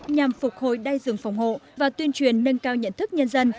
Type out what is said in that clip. nhằm phục hồi đai dựng phòng hộ và tuyên truyền nâng cao nhận thức nhân dân